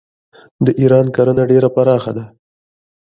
د ایران کرنه ډیره پراخه ده.